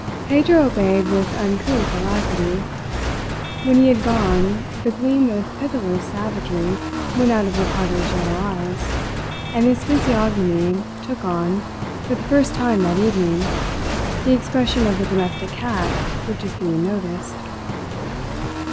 Pedro obeyed with uncouth alacrity. When he had gone, the gleam of pitiless savagery went out of Ricardo's yellow eyes, and his physiognomy took on, for the first time that evening, the expression of a domestic cat which is being noticed.